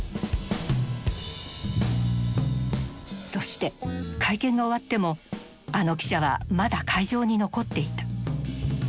そして会見が終わってもあの記者はまだ会場に残っていた。